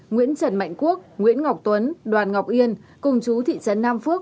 nguyễn trần mạnh quốc nguyễn ngọc tuấn đoàn ngọc yên cùng chú thị trấn nam phước